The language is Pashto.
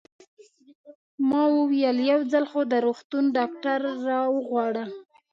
ما وویل: یو ځل خو د روغتون ډاکټر را وغواړه.